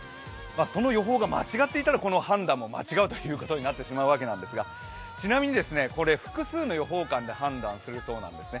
その予報が間違っていたら判断も間違うということになってしまうわけなんですがちなみに、複数の予報官で判断するそうなんですね。